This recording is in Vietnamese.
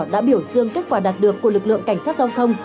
đã biểu dương kết quả đạt được của lực lượng cảnh sát giao thông